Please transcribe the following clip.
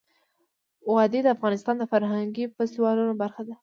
وادي د افغانستان د فرهنګي فستیوالونو برخه ده.